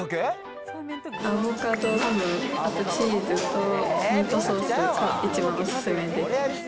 アボカド、ハム、あとチーズとミートソースを入れるのがお勧めです。